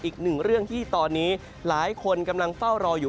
อีกหนึ่งเรื่องที่ตอนนี้หลายคนกำลังเฝ้ารออยู่